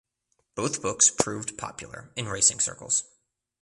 Both books proved popular in racing circles.